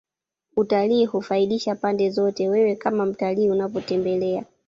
utalii hufaidisha pande zote Wewe kama mtalii unapotembelea